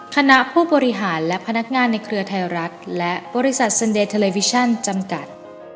คณะผู้บริหารและพนักงานในเครือไทยรัฐและบริษัทเซ็นเดเทอร์เลวิชั่นจำกัด